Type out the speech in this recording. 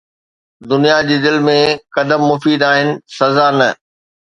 دنيا جي دل ۾، قدم مفيد آهن، سزا نه